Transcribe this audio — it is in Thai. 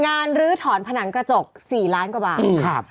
ลื้อถอนผนังกระจก๔ล้านกว่าบาทครับ